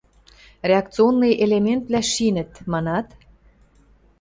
Реакционный элементвлӓ шинӹт, манат?